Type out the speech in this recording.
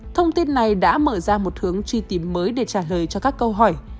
thông tin này đã mở ra một hướng truy tìm mới để trả lời cho các câu hỏi